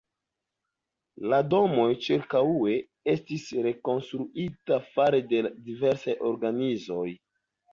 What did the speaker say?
La domoj ĉirkaŭe estis rekonstruitaj fare de diversaj organizoj.